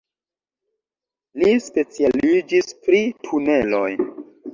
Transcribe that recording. Li specialiĝis pri tuneloj.